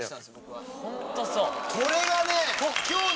これがね。